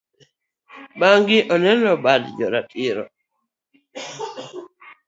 bengi onego bed jo ratiro.